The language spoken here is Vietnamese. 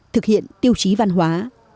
thực hiện tiêu chí văn hóa